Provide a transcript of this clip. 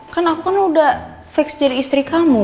kan aku kan udah fix jadi istri kamu